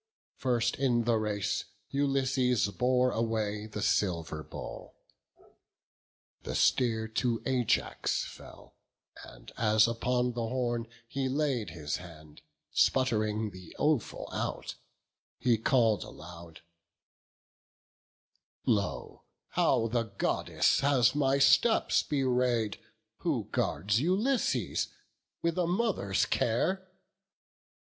First in the race, Ulysses bore away The silver bowl; the steer to Ajax fell; And as upon the horn he laid his hand, Sputt'ring the offal out, he call'd aloud: "Lo, how the Goddess has my steps bewray'd, Who guards Ulysses with a mother's care."